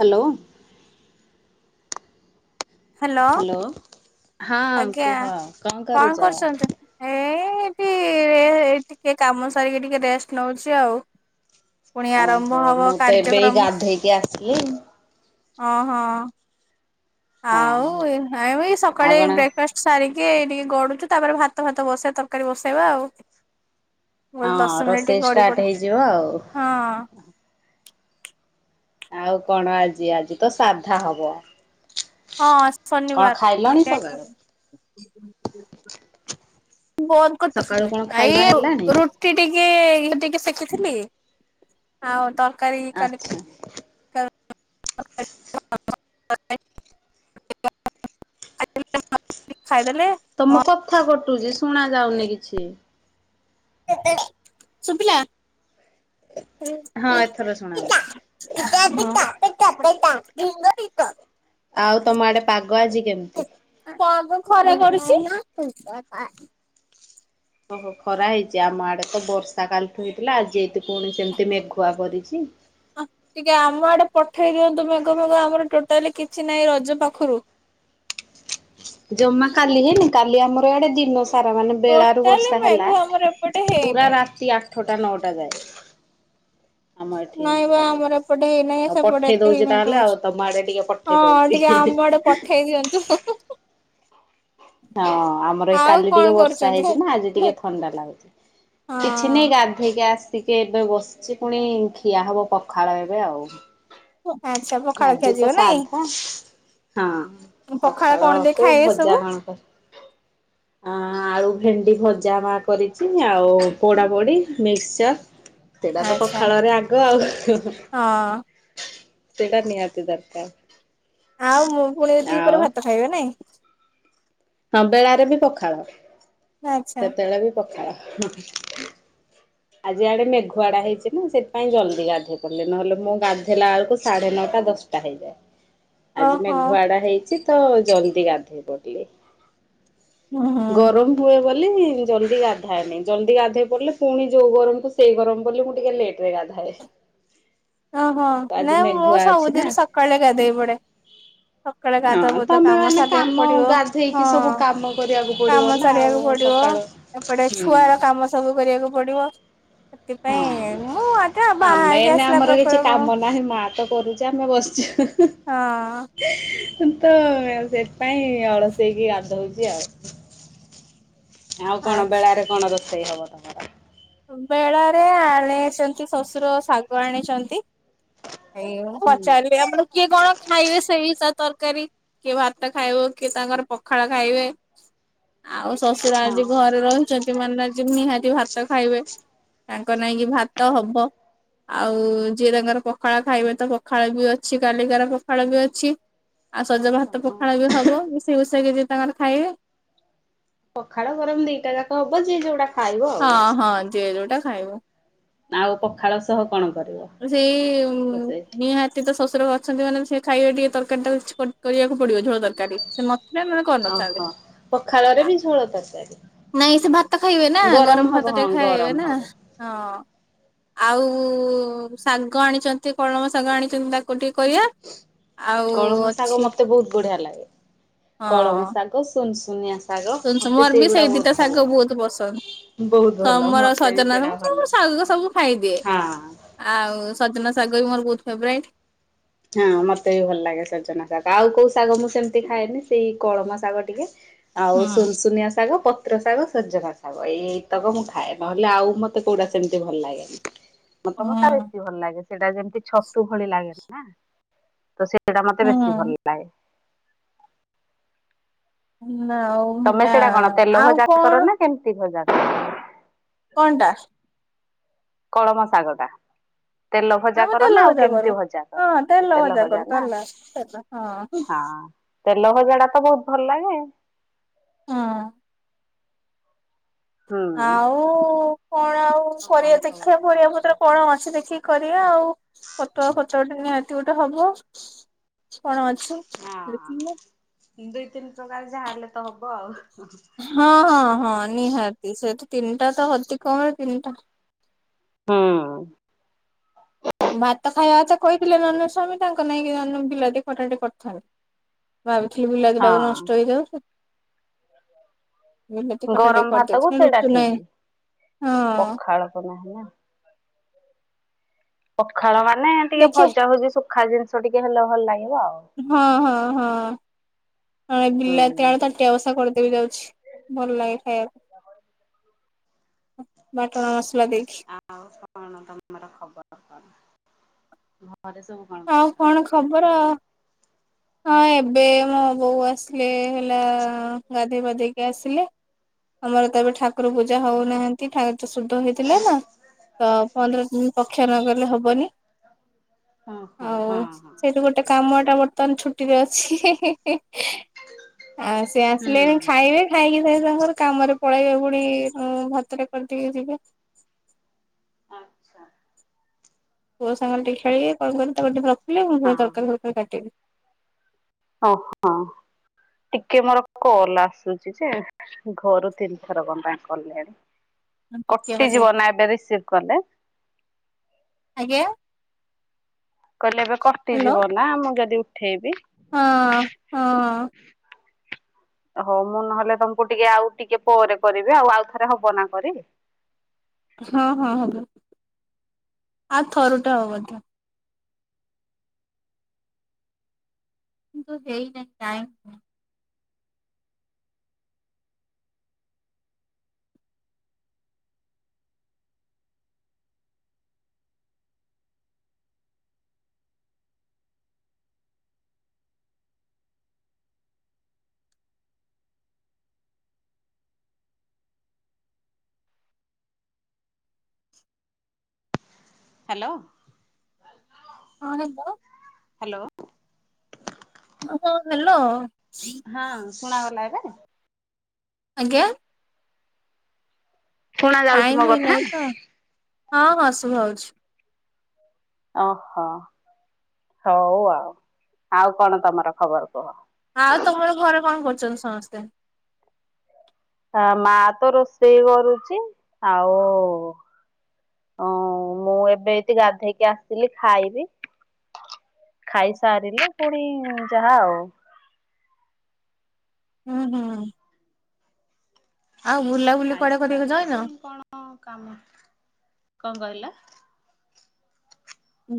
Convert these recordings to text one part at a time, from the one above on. Hello hello ହଁ ଆଜ୍ଞା କୁହ କଣ କରୁଛ? କରୁଛନ୍ତି? ଏ ଏଠି ଟିକେ କାମ ସାରିକି ଟିକେ ରେଷ୍ଟ ନଉଛି ଆଉ। ପୁଣି ଆରମ୍ଭ ଓହୋ ହବ ମୁଁ ତ ଏବେ କାର୍ଯ୍ୟକ୍ରମ ଗାଧେଇକି ଆସିଲି। ଓହୋ ଆଉ ହଁ ଏ ଆଉ ସକାଳେ କଣ ବ୍ରେକ୍ଫାଷ୍ଟ ସାରିକି ଏଇଟି ଗଡୁଛୁ ତାପରେ ଭାତ ଭାତ ବସେଇବା ତରକାରୀ ବସେଇବା ଆଉ। ମୁଁ କହିଲି ଦଶ ହଁ ମିନିଟ ଟିକେ ରୋଷେଇ ଗଡି ପଡେ ଷ୍ଟାର୍ଟ ହେଇଯିବ ଆଉ। ହଁ ଆଉ କଣ ଆଜି, ଆଜି ତ ସାଧା ହବ। ହଁ କଣ ଶନିବାର ଖାଇଲଣି ସକାଳୁ? ସକାଳୁ କଣ ଖାଇବା [unintelligible] ଠ ଟିକେ ହେଲାଣି? ଇଏ ଟିକେ ଶିଖିଥିଲି ଆଉ ତରକାରୀ କାଲି ଆଚ୍ଛା [unintelligible] [unintelligible] ଖାଇଦଲେ ତମ କଥା କଟୁଛି ଶୁଣା ଯାଉନି କିଛି। ସୁଵିଲା ହଁ ଏଥର ଶୁଣାଗଲା। [unintelligible] ଆଉ ତମ ଆଡେ ପାଗ ଆଜି କେମିତି? କଣ ଖରେ କରୁଛି। ଓହୋ ଖରା ହେଇଛି ଆମ ଆଡେ ତ ବର୍ଷା କାଳ ତ ହେଇଥିଲା ଆଜିତ ପୁଣି ସେମିତି ମେଘୁଆ କରିଛି। ହ ଟିକେ ଆମ ଆଡେ ପଠେଇ ଦିଅନ୍ତୁ ମେଘ ଫେଗ ଆମର ଟୋଟାଲି କିଛି ନାହିଁ ରଜ ପାଖରୁ। ଜମା କାଲି ହେନି କାଲି ଆମର ଏଡେ ଦିନ ସାରା ମାନେ ବେଳାରୁ ଟୋଟାଲି ବର୍ଷା ମେଘ ହେଲା ଆମର ଏପଟେ ପୁରା ହେଇନାହିଁ। ରାତି ଆଠଟା ନଅଟା ଯାଏ। ଆମ ଏଠି ନାଇଁ ହେଇଛି ବା କାଲି ଆମର ଏପଟେ ହେଇନାହିଁ ଆଉ। ସେପଟେ ପଠେଇ ଏତେ ହେଇ ଦଉଛି ମେଘ ତାହେଲେ ହଉଛି। ଆଉ ତମ ଆଡେ ଟିକେ ପଠେଇ ହଁ ଦଉଛି। ଟିକେ ଆମ ଆଡେ ପଠେଇ ଦିଅନ୍ତୁ। ହଁ ଆମର ଏଇ ଆଉ କାଲି କଣ ଟିକେ ବର୍ଷା କରୁଛନ୍ତି? ହେଇଛି ନା ଆଜି ହଁ ଟିକେ ଥଣ୍ଡା ଲାଗୁଛି। କିଛି ନାଇଁ ଗା ଠେଇକି ଆସିକି ଏବେ ବସିଛି ପୁଣି ଖିଆ ହବ ପଖାଳ ଏବେ ଆଉ। ଆଚ୍ଛା ପଖାଳ ଆଜି ଖିଆଯିବ ତ ନାଇଁ? ସାଧା ହଁ। ପଖାଳ କଣ ସଖାଳ ଦେଇ କୋଉ ଖାଇବେ ଭଜା ସବୁ? କଣ? ଅ ଆଳୁ ଭେଣ୍ଡି ଭଜା ମା କରିଛି ଆଉ ପୋଡାପୋଡି, ମିକ୍ସଚର ସେଇଟା ତ ଆଚ୍ଛା ପଖାଳରେ ଆଗ। ଆଉ ହଁ। ସେଇଟା ନିହାତି ଦରକାର ଆଉ ମୁଁ ପୁଣି ଦି ଆଉ ପରେ ଭାତ ଖାଇବ ନାଇଁ। ହଁ ବେଳାରେ ବି ପଖାଳ ଆଚ୍ଛା ସେତେବେଳେ ବି ପଖାଳ ଆଜି ଆଡେ ମେଘୁଆଡା ହେଇଛି ନା ସେଥିାଇଁ ଜଲ୍ଦି ଗାଧେଇ ପାରିଲି ନହେଲେ ମୁଁ ଗାଧେଇଲା ବେଳକୁ ସାଢେ ନଅଟା ଦଶଟା ହେଇଯାଏ ଆଜି ଓହୋ। ମେଘୁଆଡା ହେଇଛି ତ ଜଲ୍ଦି ଗାଧେଇ ପଡିଲି। ହୁଁ ହୁଁ ଗରମ ହୁଏ ବୋଲି ଜଲଦି ଗାଧାଏନି ଜଲଦି ଗାଧୋଇ ପଡ଼ିଲେ ପୁଣି ଯୋଉ ଗରମକୁ ସେଇ ଗରମ ପଡିଲ ମୁଁ ଟିକେ ଲେଟ ରେ ଗାଧାଏ ଓହୋ, ତ ଆଜି ନାଇଁ ମୁଁ ମେଘୁଆ ଅଛି ନା। ସବୁଦିନ ସକାଳେଳେ ଗାଧେଇ ପଡେ। ସକାଳେ ଗାଧ ହଁ ବୁଧ ତମେ କାମ ମାନେ ସିବାକୁ କାମ ପଡିବ। ଗାଧେଇକି ହଁ ସବୁ କାମ କରିବାକୁ ପଡିବ କାମ ନା ଆଉ ସରିବାକୁ ପଡିବ ସକାଳୁ। ଏପଟେ ହୁଁ। ଛୁଆର କାମ ସବୁ କରିବାକୁ ପଡିବ ସେଥିପାଇଁ ହଁ। ମୁଁ ଆଛା ଆମେ ବାହାରିକି ଏଇନା ଆସିଲା ଆମର କିଛି ପାଖରୁ ହଁ। କାମ ନାହିଁ ମାଆ ତ କରୁଛ ଆମେ ବସିଛୁ। ହଁ ତ ସେଥିପାଇଁ ଅଳସେଇକି ଗାଧଉଛି ଆଉ। ଆଉ କଣ ଆଚ୍ଛା ବେଳାରେ କଣ ରୋଷେଇ ହବ ତମର। ବେଳାରେ ଆଣିଛନ୍ତି ଶ୍ୱଶୁର ଶାଗ ଆଣିଛନ୍ତି ଏଇଁ ହୁଁ ପଚାରିଲି [unintelligible] ଆପଣ କିଏ କଣ ଖାଇବେ ସେଇ ହିସ ତରକାରୀ କିଏ ଭାତ ଖାଇବ କିଏ ତାଙ୍କର ପଖାଳ ଖାଇବେ। ଆଉ ଶଶୁର ହଁ ଆଜି ଘରେ ରହି ଛନ୍ତି ମାନେ ନା ଯେ ନିହାତି ଭାତ ଖାଇବେ ତାଙ୍କ ନାଇଁକି ଭାତ ହବ। ଆଉ ଯିଏ ତାଙ୍କର ପଖାଳ ଖାଇବେ ତ ପଖାଳ ବି ଅଛି କାଲିକାର ପଖାଳ ବି ଅଛି। ଆଉ ସଜ ଭାତ ହଁ ପଖାଳ ବି ହବ ମିଷେଇ ମୁଷାକି ଯିଏ ତାଙ୍କର ଖାଇବେ ପଖାଳ ଗରମ ଦିଟା ଯାକ ହବ ଯିଏ ଯୋଉଟା ଖାଇବ ଆଉ। ହଁ ହଁ ଯିଏ ଯୋଉଟା ଖାଇବ ଆଉ ପଖାଳ ସହ କଣ କରିବ? ସେଇ ରୋଷେଇ? ନିହାତି। ଟେ ତ ଶଶୁର ଅଛନ୍ତି ମାନେ ସେ ଖାଇବେ ଟିକେ ତରକାରୀ ଟା କିଛି କରିବାକୁ ପଡିବ ଝୋଳ ତରକାରୀ। ସେ ନଥିଲେ ମାନେ ଓହୋ କରିନଥାନ୍ତେ। ପଖାଳରେ ବି ଝୋଳ ତକାରାରୀ। ନାଇଁ ସେ ଭାତ ଖାଇବେ ନା ଗରମ ଭାତ ହଁ ଟିକେ ଗରମ ଖାଇବେ ନା ହବ ହଁ। ଆଉ ଶାଗ ଆଣିଛନ୍ତି କଳମ ଶାଗ ଆଣିଛନ୍ତି ତାକୁ ଟିକେ କରିବା। ଆଉ କଳମ ଶାଗ ଅଛି ମୋତେ ବହୁତ ବଢିଆ ଲାଗେ କଳମ ଶାଗ। ତେ ସୁନସୁନିଆ। ଶାଗ ସୁନସୁନ ମତେ ମୋର ବି ସେଇଗୁଡା ସେଇ ବହୁତ ପିତା ଭଲ ଶାଗ ଲାଗେ। ବହୁତ ବହୁତ ପସନ୍ଦ। ଭଲ ମୋର ମତେ ବି ସଜନା ସେଇଟା ଭଲ ସବୁ ଶାଗ ସବୁ ଖାଇଦିଏ। ହଁ। ଆଉ ସଜନା ଶାଗବି ମୋର ବହୁତ ଫେବରାଇଟ୍। ହଁ ମୋତେ ବି ଭଲ ଲାଗେ ସଜନା ଶାଗ ଆଉ କୋଉ ଶାଗ ମୁଁ ସେମିତି ଖାଏନି ସେଇ କଳମ ଶାଗ ଟିକେ। ହୁଁ ଆଉ ସୁନ ଶୁନିଆ ଶାଗ ପ- ପତ୍ର ଶାଗ ସଜନା ଶାଗ ଏଇତକ ମୁଁ ଖାଏ ନହେଲେ ଆଉ ମୋତେ କୋଉଟା ସେମିତି ଭଲ ଲାଗେନି। ମୋତେ ମସା ହୁଁ ବେଶୀ ଭଲ ଲାଗେ ସେଇଟା ଯେମିତି ଛତୁ ଭଳି ଲାଗେନି ନା ତ ସେ। ସେଇଟା ମୋତେ ବେଶୀ ହୁଁ। ଭଲ ଲାଗେ। ନା ଆଉ। ତମେ ହେଲା ସେଇଟା କଣ ତେଲ ଆଉ ଭଜା କର କଣ ନା କେମିତି ଭଜା କର। କଣଟା। କଳମ ଶାଗଟା। ତେଲ ଭଜା ଆମ କର ତେଲ ନା ଆଉ ଭଜା କରୁ। କେମିତି ଭଜା ହଁ କର ତେଲ ଭଜା କରୁ ନା ତେଲ ତେଲ ହଁ। ତେଲ ଭଜା ଟା ତ ବହୁତ ଭଲ ଲାଗେ। ହଁ। ହୁଁ। ଆଉ କଣ ଆଉ କଣ କରିବା ଖବର ଦେଖିବା ତମର ପରିବା କୁହ ପତ୍ର କଣ ଅଛି ଦେଖି। କରିବା ଆଉ ପତୁଆ ଫତୁଆଟେ ନିହାତି ଗୋଟେ ହବ କଣ ଅଛି। ହଁ [unintelligible] ଦୁଇ ତିନି ପ୍ରକାର ଯାହାହେଲେ ତ ହବ ଆଉ। ହଁ ହଁ ହଁ ନିହାତି ସେଠୁ ତିନିଟା ତ ଅତି କମରେ ତିନିଟା। ହୁଁ। ଭାତ ଖାଇବା କଥା କହିଥିଲେ ନହେନେ ସ୍ୱାମୀ ତାଙ୍କ ନେଇକି ନ ବିଲାତି ଖଟା ଟିକେ କରିଥାନ୍ତି। ଭାବିଥିଲି ବିଲାତିଟାକୁ ନଷ୍ଟ ହଁ ହେଇଯାଉଛି। ଟିକେ ଗରମ ଭାତକୁ କରିଦେଇଥିଲି ସେଇଟା ରୁଚୁ ନାହିଁ ଠିକ ହଁ ପଖାଳକୁ ନାହିଁ ନା। ପଖାଳ ମାନେ ଟିକେ ଦେଖିଆ ଭଜା ଭଜି ଶୁଖା ଜିନିଷ ଟିକେ ହେଲେ ଭଲ ଲାଗିବ ଆଉ। ହଁ ହଁ ହଁ ହୁଁ। ବିଲାତି ଆଳୁ ତ। ବସା କରିଦେବି ଯାଉଛି ଭଲ ଲାଗେ ଖାଇବାକୁ। ବାଟଣ ମସଲା ଦେଇକି। ଆଉ କଣ ତମର ଖବର କଣ ଘରେ ସବୁ। କଣ ଆଉ କରୁଛନ୍ତି? କଣ ଖବର? ହଁ ଏବେ ମୋ ବୋଉ ଆସିଲେ ହେଲା ଗାଧୋଇ ପାଧେଇକି ଆସିଲେ। [inaudible] ଆମର ତ ଏବେ ହଁ ଠାକୁର ପୂଜା ହଉନାହାନ୍ତି। ଠାକୁ ଶୁଦ୍ଧ ହେଇଥିଲେ ନା ତ ପନ୍ଦର ଦିନ ପକ୍ଷ ନଗଲେ ହବନି। ହଁ ହୋ ଆଉ ହଁ ହଁ। ସେଇଠୁ ଗୋଟେ କାମଟା ବର୍ତ୍ତମାନ ଛୁଟିରେ ଅଛି ହି ହି ହି। ଆଉ ସିଏ ଆସିଲେ ହୁଁ। ଖାଇବେ। ଖାଇକି ସେ ତାଙ୍କର କାମରେ ପଳେଇବେ ପୁଣି ମୁଁ ଭାତଟା କରିଦେଇକି ଯିବେ। ଆଚ୍ଛା। ପୁଅ ସାଙ୍ଗରେ ଟିକେ ଖେଳିକି କଣ କଲି ତାକୁ ରଖିଲେ ମୁଁ ପୁଣି ହଁ ତରକାରି ଫରକାରୀ କାଟିବି। ଓହୋ ଟିକେ ମୋର କଲ୍ ଆସୁଛି ଯେ। ଘରୁ ତିନିଥର କଣ ପାଇଁ କଲେଣି ଟିକେ ଖାଲି କଟିଯିବ ନା ଏବେ ରିସିଭ୍ କଲେ? ଆଜ୍ଞା? କହିଲେ ଏବେ ହ୍ୟାଲୋ କଟିଯିବ ନା ମୁଁ ଯଦି ଉଠେଇବି। ହଁ ହଁ। [inaudible] ହଉ ମୁଁ ନହେଲେ ତମକୁ ଟିକେ ଆଉ ଟିକେ ପରେ କରିବି ଆଉ ଆଉଥରେ ହବ ନା କରି? ହଁ, ହଁ, ହବ ଆଉ ଥରୁ ଟେ ହବ ଥ କିନ୍ତୁ ଦେଇନାହିଁ ଟାଇମ୍ କାଇଁ? [inaudible] ହ୍ୟାଲୋ। ହଁ ହାଲୋ। ହ୍ୟାଲୋ। ହଁ, ହଁ ହ୍ୟାଲୋ। ହଁ ଶୁଣାଗଲା ଏବେ? ଆଜ୍ଞା? ଶୁଣା ଯାଉଛି ଟାଇମ୍ ମୋ କଥା ହୋଇନାହିଁ ତ ହଁ, ହଁ ଶୁଭାହଉଛି। ଓହୋ ହଉ ଆଉ ଆଉ କଣ ତମର ଖବର କୁହ? ଆଉ ତମର ଘରେ କଣ କରୁଛନ୍ତି ସମସ୍ତେ? ଆ ମା ତ ରୋଷେଇ କରୁଛି ଆଉ ଉଁ ମୁଁ ଏବେ ଏତି ଗାଧେଇକି ଆସିଲି ଖାଇବି। ଖାଇସାରିଲେ ପୁଣି ଯାହା ଆଉ। ହୁଁ, ହୁଁ। ଆଉ ବୁଲାବୁଲି କୁଆଡେ କରିବାକୁ ଯାଇନ? ହଁ କାମ କଣ କହିଲ?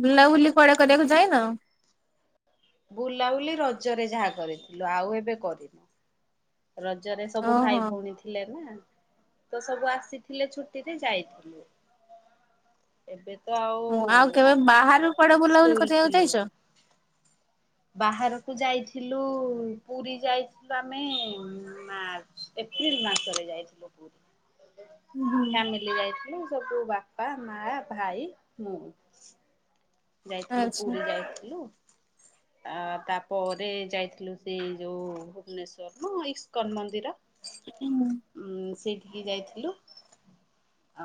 ବୁଲାବୁଲି କୁଆଡେ କରିବାକୁ ଯାଇନ? ବୁଲାବୁଲି ରଜରେ ଯାହା କରିଥିଲୁ ଆଉ ଏବେ କରିନୁ। ରଜରେ ସବୁ ଓହୋ ଭାଇ ଭଉଣୀ ଥି ଥିଲେ ନା ତ ସବୁ ଆସିଥିଲେ ଛୁଟିରେ ଯାଇଥିଲୁ। ଏବେ ତ ଆଉ ମୁଁ କେବେ ବାହାରୁ କୁଆଡେ ବୁଲାବୁଲି ସ୍କୁଲ୍ କରିବାକୁ ଯାଇଛ? ଖୋଲିଗଲା। ବାହାରକୁ ଯାଇଥିଲୁ ପୁରୀ ଯାଇଥିଲୁ ଆମେ ମାର୍ଚ୍ଚ, ଏପ୍ରିଲ୍ ମାସରେ ଯାଇଥିଲୁ ପୁରୀ। ହୁଁ ଫ୍ୟାମିଲି ଯାଇଥିଲୁ ସବୁ ବାପା, ମା, ଭାଇ, ମୁଁ। ଯାଇଥିଲୁ ଆଚ୍ଛା ପୁରୀ ଯାଇଥିଲୁ। ଆ ତାପରେ ଯାଇଥିଲୁ ସେଇ ଯୋଉ ଭୁବନେଶ୍ୱର ମ ଇସ୍କନ ମନ୍ଦିର। ହୁଁ। ଉଁ ସେଇଠିକି ଯାଇଥିଲୁ।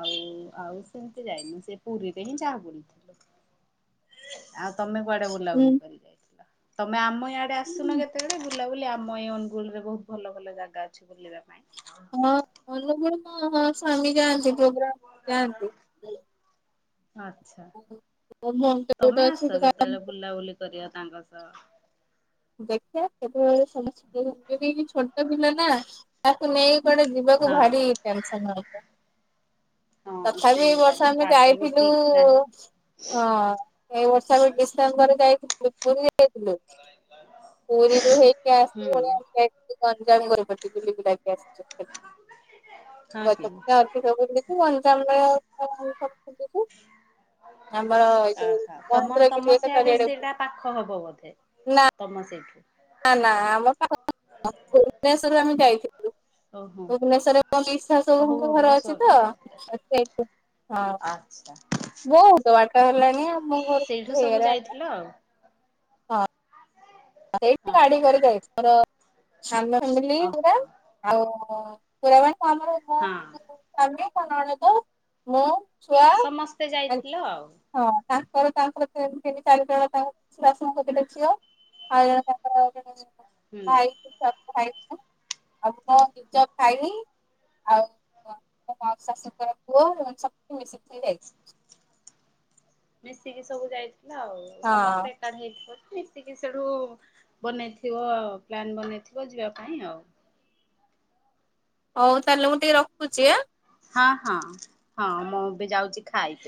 ଆଉ ଆଉ ସେମିତି ଯାଇନୁ ସେ ପୁରୀରେ ହିଁ ଯାହା ବୁଲିଥିଲୁ। ଆଉ ତମେ କୁଆଡେ ବୁଲାବୁଲି ହୁଁ କରି ଯାଇଥିଲ ତମେ ଆମ ଇଆଡେ ଆସୁନ କେତେବେଳେ ବୁଲାବୁଲି ଆ ଆମ ଏଇ ଅନୁଗୁଳୁ ରେ ବହୁତ୍ ଭଲ ଭଲ ଜାଗା ଅଛି ବୁଲିବା ପାଇଁ। ହଁ ଅନୁଗୁଳ ହଁ ହଁ ସ୍ୱାମୀ ଯାଆନ୍ତି ପ୍ରୋଗ୍ରାମ ଯାଆନ୍ତି। ଆଚ୍ଛା। ତମେ ଆସ କେତେବେଳେ [unintelligible] ବୁଲାବୁଲି କରିବା ତାଙ୍କ ସହ। ଦେଖିବା କେତେବେଳେ ସମୟ ସୁବିଧା ଦେଖିକି ଛୋଟ ଦିନ ନା। ତାକୁ ନେଇକି କୁଆଡେ ଯିବାକୁ ହଁ ଭାରି ଟେନସନ୍ ଏକା। ହଁ ତଥାବି ଏ ସେଇଟା ବର୍ଷ ବି ଆମେ ପାଗ ବି ଯାଇଥିଲୁ ଠିକ ନାହିଁ। ହଁ ଏଇ ବର୍ଷ ଆମେ ଡିସେମ୍ବରରେ ଯାଇଥିଲୁ ପୁରୀ ଯାଇଥିଲୁ। ପୁରୀରୁ ହେଇକି ଆସି ହୁଁ ପୁଣି ଆମେ ଯାଇଥିଲୁ ଗଞ୍ଜାମ ଗୋରେପତି ବୁଲିବୁଲାକି ଆସିଲୁ। [unintelligible] ହଁ କି ଗଜପତି ଅଧିକ ଗଞ୍ଚାମରେ [unintelligible] ଆସିଲୁ। ଆମର ଏଇ ଯୋଉ ଆହା ତମ ମହେନ୍ଦ୍ର ତମ ଗିରି ହେକା ସେଆଡେ ଚାରିଆଡେ ସେଇଟା ପାଖ ହବ ବୋଧେ ତମ ସେଇଠୁ। ନା ନା ଆମ ପାଖ [inaudible] ଭୁବନେସ୍ୱରରୁ ଆମେ ଯାଇଥିଲୁ। ଓହୋ ଭୁବନେଶ୍ଵରରେ ପିଇସି ଓହୋ ଶାଶୁଙ୍କ ଘର ଅଛି ତ ଭୁବନେଶ୍ୱରରୁ ଯାଇଥିଲେ। ସେଠି ଯାଇଥିଲୁ ହଁ। ଆଚ୍ଛା। ବହୁତ ବାଟ ହେଲାଣିି ଆଉ। ସେଇଠୁ ସବୁ ଯାଇଥିଲୁ ଆଉ। ଏଇଠି ଗାଡି ହଁ କରିକି ଆଇଲୁ। ଆମର ଫ୍ୟାମିଲୀ ପୁରା। ଓହୋ। ଆଉ ପୁରା ବାଣୀ ତ ଆମର ଘ ହଁ। ସ୍ଵାମୀ ମୋ ନଣନ୍ଦ ମୁ ଛୁଆ ସମସ୍ତେ ମାନେ ଯାଇଥିଲ ଆଉ ହଁ ତାଙ୍କର ତାଙ୍କର ତିନି ତିନ ଚାରି ଜଣ ତାଙ୍କ ଶାଶୁଙ୍କ ତିନିଟା ଝିଅ। ଆଉ ଜଣେ ତାଙ୍କର ଜଣେ ହୁଁ। ଭାଇ [unintelligible] ଭାଇ ଆଉ ମୋ ନିଜ ଭାଇ ଆଉ କଣ ମୋ ମାଉସି ଶାଶୁଙ୍କର ପୁଅ ଏଇମାନେ ସବୁ ମିଶିକି ଯାଇଥିଲୁ। ମିଶିକି ସବୁ ଯାଇଥିଲୁ ଆଉ ହଁ ସମସ୍ତେ। [unintelligible] ମିଶିକି ସେଇଠୁ ବନେଇଥିବ ପ୍ଲାନ୍ ବନେଇଥିବ ଯିବା ପାଇଁ ଆଉ। ହଉ ତାହେଲେ ମୁଁ ଟିକେ ରଖୁଛି ଆ। ହଁ ହଁ ହଁ ମୁଁ ବି ଯାଉଛି ଖାଇବି।